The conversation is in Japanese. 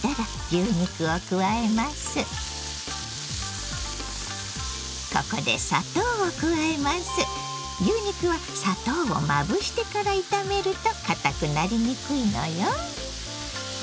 牛肉は砂糖をまぶしてから炒めるとかたくなりにくいのよ。